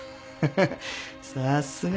さすが。